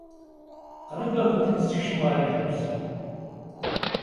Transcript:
Qrib ad kent-nessekcem ɣer lḥebs.